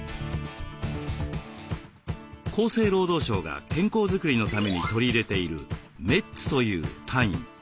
厚生労働省が健康づくりのために取り入れている「メッツ」という単位。